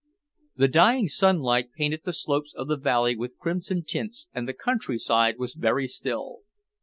The dying sunlight painted the slopes of the valley with crimson tints and the countryside was very still.